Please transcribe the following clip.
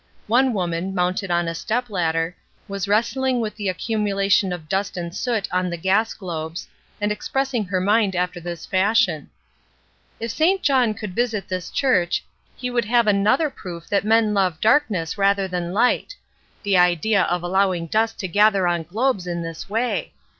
One woman, mounted on a step ladder, was wrestUng with the accumulation of dust and soot on the gas globes, and expressing her mind after this fashion:— ^^ "If St. John could visit this church, he woula A WOMAN OF HER WORD 351 have another proof that men love darkness rather than light. The idea of allowing dust to gather on globes in this way!